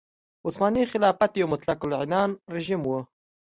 عثماني خلافت یو مطلق العنان رژیم و.